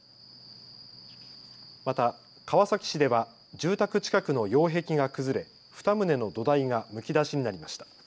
また川崎市では住宅近くの擁壁が崩れ、２棟の土台がむき出しになりました。